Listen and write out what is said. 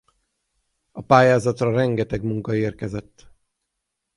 A pályázatra rengeteg munka érkezett.